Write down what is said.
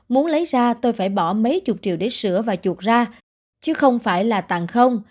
muốn lấy ra tôi phải bỏ mấy chục triệu để sửa và chuột ra chứ không phải là tàn không